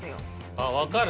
あっ分かる。